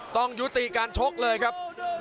ต้องยุติการชกเลยครับ